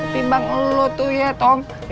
pimbang lu tuh ya tom